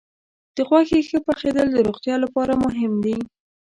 د غوښې ښه پخېدل د روغتیا لپاره مهم دي.